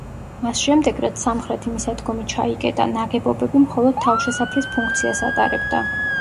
მას შემდეგ რაც სამხრეთი მისადგომი ჩაიკეტა, ნაგებობები მხოლოდ თავშესაფრის ფუნქციას ატარებდა.